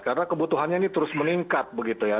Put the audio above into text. karena kebutuhannya ini terus meningkat begitu ya